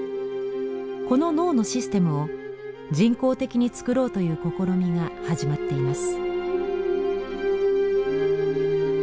この脳のシステムを人工的に作ろうという試みが始まっています。